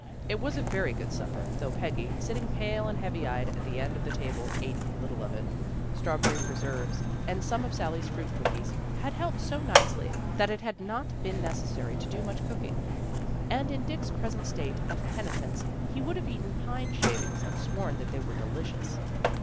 It was a very good supper, though Peggy, sitting pale and heavy eyed, at the end of the table, ate little of it. Strawberry preserves, and some of Sally's fruit cookies, had helped out so nicely that it had not been necessary to do much cooking, and in Dick's present state of penitence he would have eaten pine shavings and sworn that they were delicious.